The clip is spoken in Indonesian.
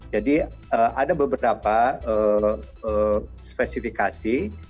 jadi ada beberapa spesifikasi